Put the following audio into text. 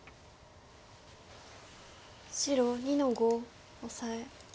白２の五オサエ。